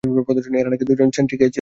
এরা নাকি দু জন সেন্ট্রি চেয়েছিল।